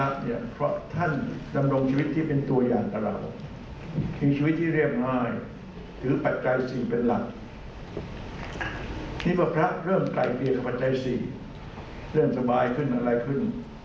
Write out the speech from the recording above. คือตรงนี้อาหารประวัติเปิดประเทศนับถือฝรั่งมากขึ้น